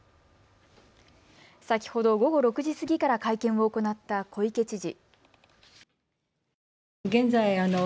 先ほど午後６時過ぎから会見を行った小池知事。